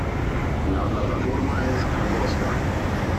La plataforma es angosta.